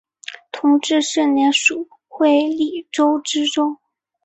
同治四年署会理州知州。